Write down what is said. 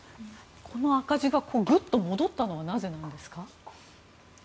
この赤字がぐっと戻ったのはなぜなんですか。